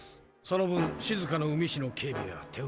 その分静かの海市の警備は手うすに。